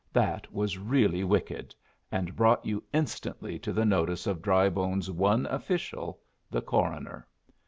That was really wicked, and brought you instantly to the notice of Drybone's one official the coroner!